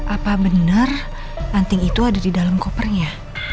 apa benar anting itu ada di dalam kopernya